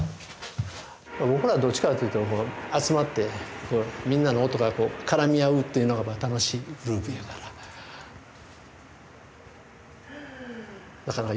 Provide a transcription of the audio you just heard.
僕らはどっちかっていうと集まってみんなの音が絡み合うっていうのが楽しいグループやから。